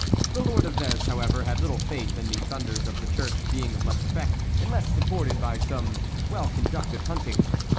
The Lord of Vez, however, had little faith in the thunders of the Church being of much effect, unless supported by some well conducted hunting.